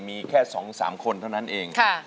มีแค่๒๓คนเท่านั้นเอง